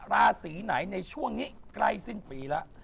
ราศีไหนในช่วงนี้ใกล้สิ้นปีแล้ว